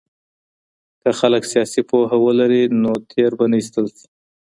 که خلګ سياسي پوهه ولري نو تېر به نه ايستل سي.